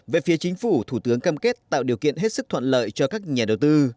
về phía chính phủ thủ tướng cam kết tạo điều kiện hết sức thuận lợi cho các nhà đầu tư